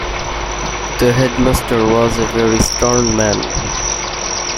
The headmaster was a very stern man